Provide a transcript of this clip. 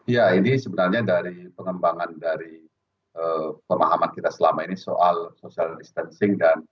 ya ini sebenarnya dari pengembangan dari pemahaman kita selama ini soal social distancing